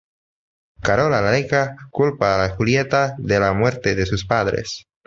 Carola le echa la culpa a Julieta de la muerte de sus padres.